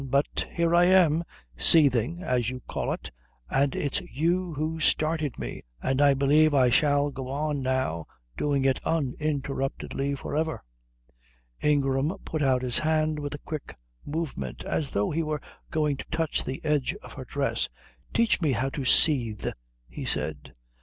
But here I am, seething as you call it, and it's you who started me, and I believe I shall go on now doing it uninterruptedly for ever." Ingram put out his hand with a quick movement, as though he were going to touch the edge of her dress. "Teach me how to seethe," he said.